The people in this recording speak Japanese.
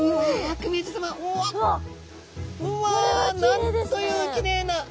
なんというきれいな。